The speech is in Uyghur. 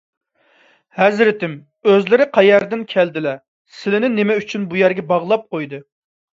ھەزرىتىم، ئۆزلىرى قەيەردىن كەلدىلە؟ سىلىنى نېمە ئۈچۈن بۇ يەرگە باغلاپ قويدى؟